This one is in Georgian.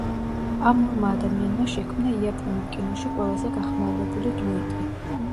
ამ ორმა ადამიანმა შექმნა იაპონურ კინოში ყველაზე გახმაურებული დუეტი.